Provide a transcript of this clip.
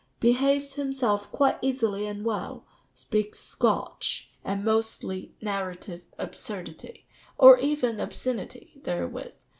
Behaves himself quite easily and well; speaks Scotch, and mostly narrative absurdity (or even obscenity) therewith....